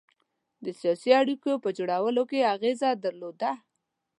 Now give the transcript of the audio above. د سیاسي اړېکو په جوړولو کې اغېزه درلوده.